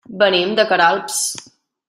Venim de Queralbs.